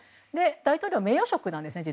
大統領は名誉職なんです。